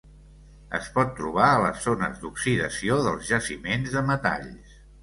Es pot trobar a les zones d'oxidació dels jaciments de metalls.